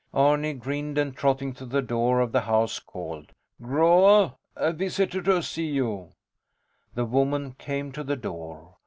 Arni grinned and, trotting to the door of the house, called: Groa, a visitor to see you. The woman came to the door.